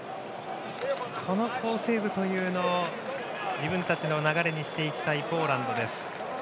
この好セーブというのを自分たちの流れにしていきたいポーランドです。